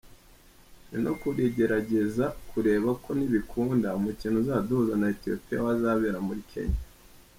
Turi no kugerageza kureba ko nibikunda, umukino uzaduhuza na Ethiopie wazabera muri Kenya.